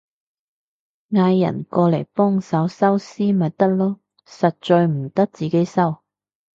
嗌人過嚟幫手收屍咪得囉，實在唔得自己收